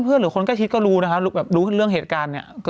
หรือคนใกล้ชิดก็รู้นะคะแบบรู้เรื่องเหตุการณ์เนี่ย